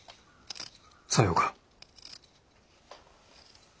さようか。